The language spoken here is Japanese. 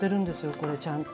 これちゃんと。